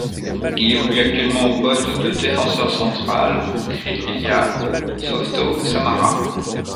Il évolue actuellement au poste de défenseur central au Krylia Sovetov Samara.